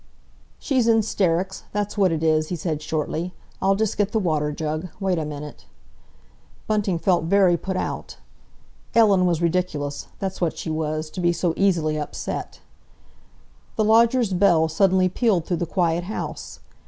"She's in 'sterics—that's what it is," he said shortly. "I'll just get the water jug. Wait a minute!" Bunting felt very put out. Ellen was ridiculous—that's what she was, to be so easily upset. The lodger's bell suddenly pealed through the quiet house.